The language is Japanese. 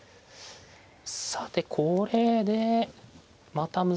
さてこれでまた難しいですね。